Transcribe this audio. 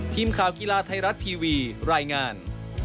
ทีมข่าวกีฬาไทยรัฐทีวีรายงาน